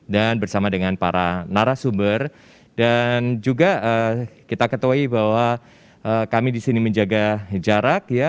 dan bersama dengan para narasumber dan juga kita ketuai bahwa kami di sini menjaga jarak